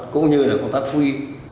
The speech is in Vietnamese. cũng như là công tác thu y